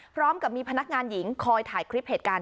พร้อมกับมีพนักงานหญิงคอยถ่ายคลิปเหตุการณ์